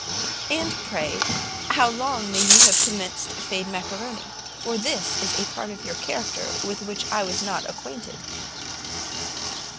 "And pray how long may you have commenced fade macaroni? For this is a part of your character with which I was not acquainted."